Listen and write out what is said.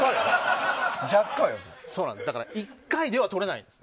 だから１回ではとれないんです。